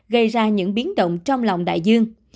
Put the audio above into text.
gây ra những biến động trong lòng đại dương